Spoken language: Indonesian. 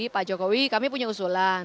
pak jokowi kami punya usulan